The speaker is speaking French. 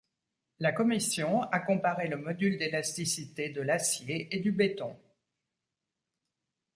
La commission a comparé le module d'élasticité de l'acier et du béton.